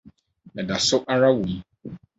Meda so ara wom.